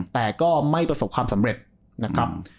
แต่ก็ไม่ประสบความสำเร็จนะครับ